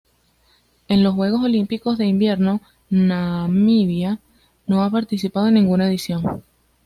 En los Juegos Olímpicos de Invierno Namibia no ha participado en ninguna edición.